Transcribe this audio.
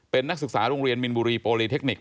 เป็นนักศึกษาโรงเรียนมินบุรีโปรลีเทคนิค